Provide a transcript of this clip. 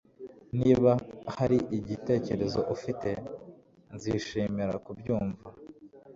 Niba hari igitekerezo ufite, nzishimira kubyumva